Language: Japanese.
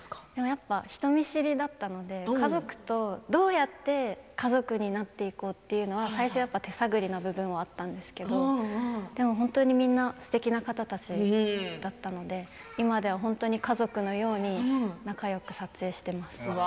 やっぱり人見知りだったので家族と、どうやって家族になっていこうというのは最初は手探りの部分があったんですけれど本当にみんなすてきな方たちだったので今では本当に家族のように仲よく撮影しています。